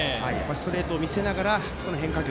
ストレートを見せながら変化球。